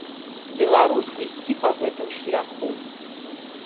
Беларусь ісці па гэтым шляху.